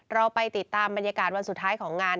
เราไปติดตามบรรยากาศวันสุดท้ายของงาน